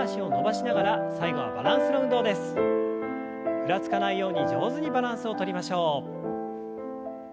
ふらつかないように上手にバランスをとりましょう。